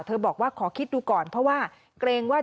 บอกว่าขอคิดดูก่อนเพราะว่าเกรงว่า